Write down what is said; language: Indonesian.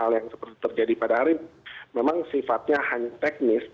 hal yang seperti terjadi pada hari memang sifatnya hanya teknis